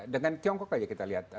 dengan tiongkok aja kita lihat